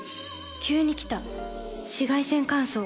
急に来た紫外線乾燥。